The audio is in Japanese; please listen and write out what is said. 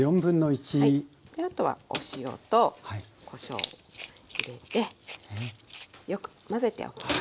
であとはお塩とこしょうを入れてよく混ぜておきます。